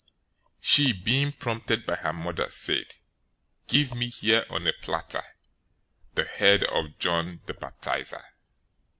014:008 She, being prompted by her mother, said, "Give me here on a platter the head of John the Baptizer."